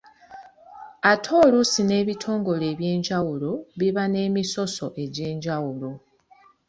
Ate oluusi n'ebitongole eby'enjawulo biba n'emisoso egy'enjawulo.